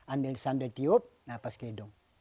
ambil sambil tiup napas ke hidung